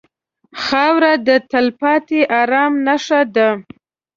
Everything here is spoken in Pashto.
خاوره د تلپاتې ارام نښه ده.